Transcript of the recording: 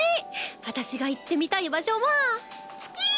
私が行ってみたい場所は月！